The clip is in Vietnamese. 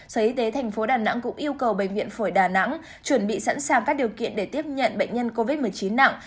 sở y tế tp đà nẵng cũng yêu cầu bệnh viện phổi đà nẵng chuẩn bị sẵn sàng các điều kiện để tiếp nhận bệnh nhân covid một mươi chín nặng